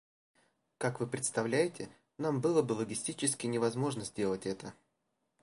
Как вы представляете, нам было бы логистически невозможно сделать это.